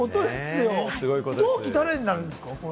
同期誰になるんですか？